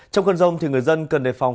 trong cơn rông thì người dân cần đề phòng